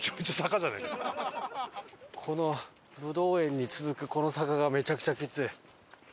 このぶどう園に続くこの坂がめちゃくちゃきつい。